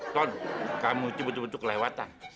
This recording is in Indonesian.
ton kamu cepet cepet kelewatan